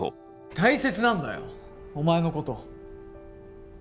大切なんだよお前のこと。